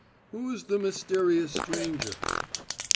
"Who's the mysterious stranger!"